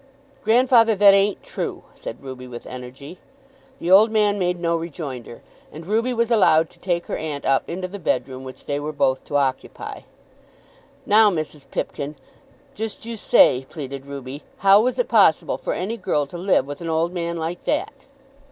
"Grandfather, that ain't true," said Ruby with energy. The old man made no rejoinder, and Ruby was allowed to take her aunt up into the bedroom which they were both to occupy. "Now, Mrs. Pipkin, just you say," pleaded Ruby, "how was it possible for any girl to live with an old man like that?"